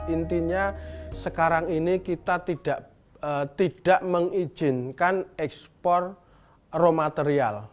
intinya sekarang ini kita tidak mengizinkan ekspor raw material